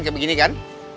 kayak begini kan